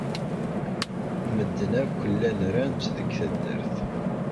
Medden akk llan ran-tt deg taddart.